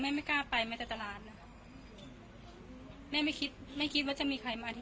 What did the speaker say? ไม่ไม่กล้าไปแม้แต่ตลาดนะคะแม่ไม่คิดไม่คิดว่าจะมีใครมาที่